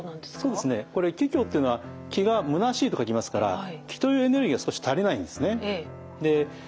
そうですね気虚っていうのは気が虚しいと書きますから気というエネルギーが少し足りないんですね。